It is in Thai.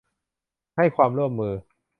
ให้ความร่วมมือ